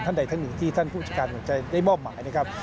ท่านใดท่านมีที่ท่านผู้จัดการของใจได้บ้อมหมายนะครับ